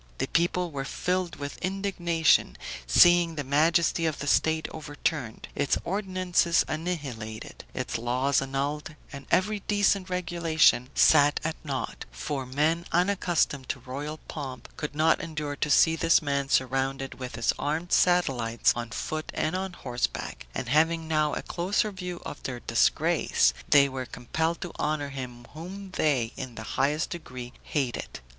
The people were filled with indignation, seeing the majesty of the state overturned, its ordinances annihilated, its laws annulled, and every decent regulation set at naught; for men unaccustomed to royal pomp could not endure to see this man surrounded with his armed satellites on foot and on horseback; and having now a closer view of their disgrace, they were compelled to honor him whom they in the highest degree hated.